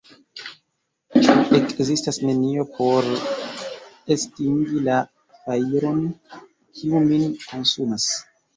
Ĉu ekzistas nenio por estingi la fajron, kiu min konsumas?